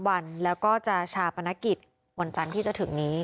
วันแล้วก็จะชาปนกิจวันจันทร์ที่จะถึงนี้